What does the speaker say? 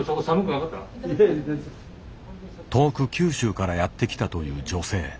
遠く九州からやって来たという女性。